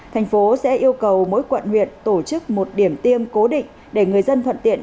thành phố sẽ yêu cầu mỗi quận huyện tổ chức một điểm tiêm cố định để người dân thuận tiện